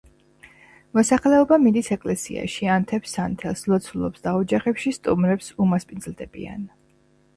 მოსახლეობა მიდის ეკლესიაში, ანთებს სანთელს, ლოცულობს და ოჯახებში სტუმრებს უმასპინძლდებიან.